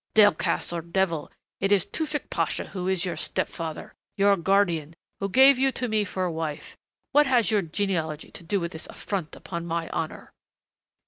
Delcassé or devil, it is Tewfick Pasha who is your step father, your guardian, who gave you to me for wife what has your genealogy to do with this affront upon my honor?"